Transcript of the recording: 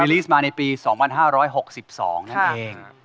ลีสมาในปี๒๕๖๒นั่นเอง